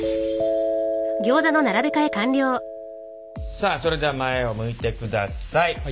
さあそれでは前を向いてください。